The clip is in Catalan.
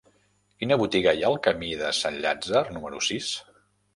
Quina botiga hi ha al camí de Sant Llàtzer número sis?